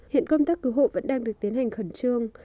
hiện công tác cứu hộ vẫn đang được tiến hành khẩn trương